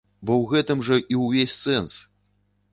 Бо ў гэтым жа і ўвесь сэнс!